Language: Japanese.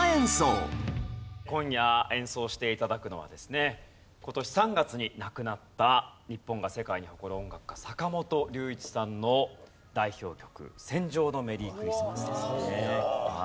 今夜演奏して頂くのはですね今年３月に亡くなった日本が世界に誇る音楽家坂本龍一さんの代表曲『戦場のメリークリスマス』ですねはい。